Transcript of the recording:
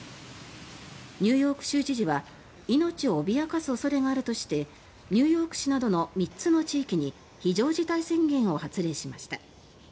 ニューヨーク州知事は命を脅かす恐れがあるとしてニューヨーク市などの３つの地域に非常事態宣言を発令しました。